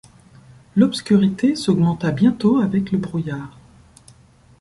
L’obscurité s’augmenta bientôt avec le brouillard.